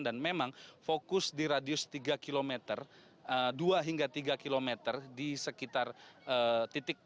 dan memang fokus di radius tiga kilometer dua hingga tiga kilometer di sekitar titik koordinatnya